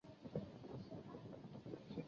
这是一个约定俗成的现像。